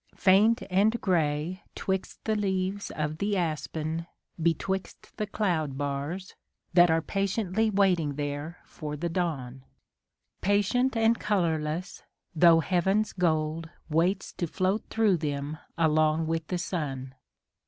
Faint and grey *twixt the leaves of the aspen, betwixt the cloud bars, That are patiently waiting there for the dawn I A DAY WITH WILLIAM MORRIS. Patient and colourless, though Heaven's gold Waits to float through them along with the sun.